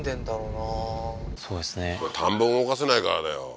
田んぼを動かせないからだよ